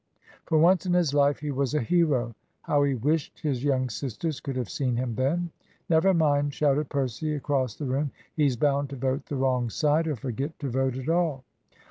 For once in his life he was a hero! How he wished his young sisters could have seen him then! "Never mind," shouted Percy across the room, "he's bound to vote the wrong side, or forget to vote at all."